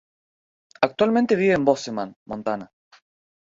Actualmente vive en Bozeman, Montana.